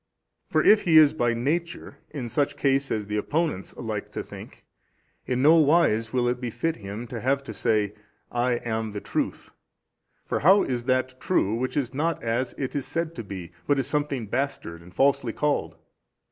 For if he is by nature in such case as the opponents like to think, in no wise will it befit him to have to say, I am the truth: for how is that true which is not as it is said to be, but is something bastard and falsely called?